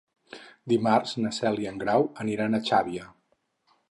Dimarts na Cel i en Grau aniran a Xàbia.